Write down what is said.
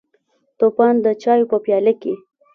توپان د چایو په پیاله کې: